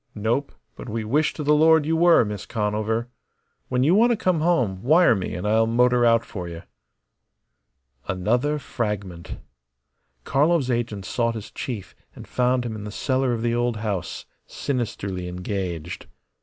"Nope. But we wish to the Lord you were, Miss Conover. When you want to come home, wire me and I'll motor out for you." Another fragment. Karlov's agent sought his chief and found him in the cellar of the old house, sinisterly engaged.